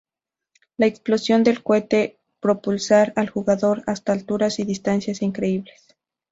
La explosión del cohete propulsa al jugador hasta alturas y distancias increíbles.